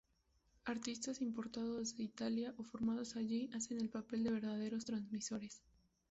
Artistas importados desde Italia o formados allí, hacen el papel de verdaderos transmisores.